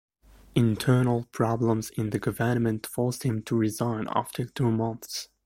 Internal problems in government forced him to resign after two months.